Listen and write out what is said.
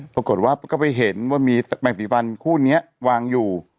ปรากฏว่าก็ไปเห็นว่ามีแมงสีฟันคู่นี้วางอยู่